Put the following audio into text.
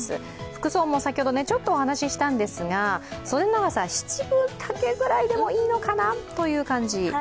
服装も先ほどちょっとお話ししたんですが、七分丈くらいでもいいのかなという感じ。